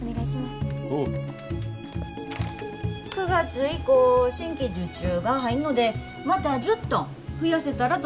９月以降新規受注が入んのでまた１０トン増やせたらと思てるんです。